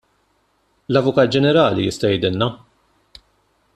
L-Avukat Ġenerali jista' jgħidilna.